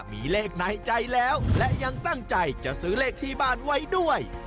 มีเลขในใจแล้วและยังตั้งใจจะซื้อเลขที่บ้านไว้ด้วย